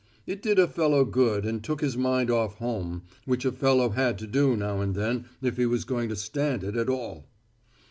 It did a fellow good and took his mind off home, which a fellow had to do now and then if he was going to stand it at all.